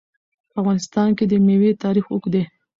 په افغانستان کې د مېوې تاریخ اوږد دی.